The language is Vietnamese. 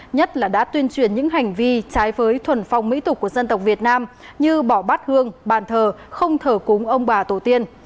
nhất là đã tuyên truyền những hành vi trái với thuần phong mỹ tục của dân tộc việt nam như bỏ bát hương bàn thờ không thờ cúng ông bà tổ tiên